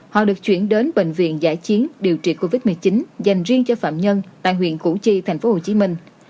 họ được chuyển đến bệnh viện giải chiến điều trị covid một mươi chín dành riêng cho phạm nhân tại huyện củ chi thành phố hồ chí minh